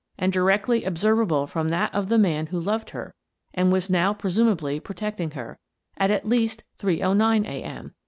— and directly observable from that of the man who loved her and was now presumably protecting her — at least at 3.09 a. m.